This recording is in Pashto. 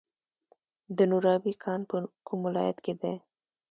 د نورابې کان په کوم ولایت کې دی؟